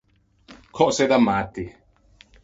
Cöse da matti!